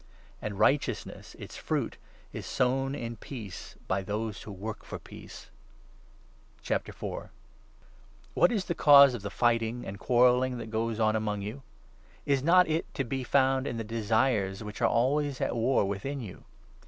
And righteousness, its fruit, is sown in peace 18 by those who work for peace. Acainst What is the cause of the fighting and quarrel i < Party strife, ling that goes on among you ? Is not it to be found in the desires which are always at war within you